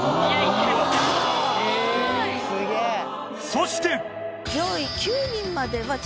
そして。